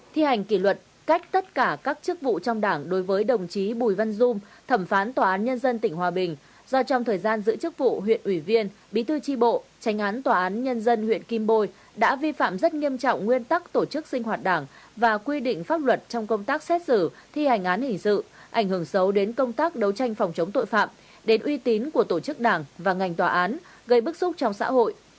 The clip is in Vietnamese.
thi hành kỷ luật cách tất cả các chức vụ trong đảng đối với đồng chí bùi văn dung thẩm phán tòa án nhân dân tỉnh hòa bình do trong thời gian giữ chức vụ huyện ủy viên bí thư tri bộ tranh án tòa án nhân dân huyện kim bôi đã vi phạm rất nghiêm trọng nguyên tắc tổ chức sinh hoạt đảng và quy định pháp luật trong công tác xét xử thi hành án hình sự ảnh hưởng xấu đến công tác đấu tranh phòng chống tội phạm đến uy tín của tổ chức đảng và ngành tòa án gây bức xúc trong xã hội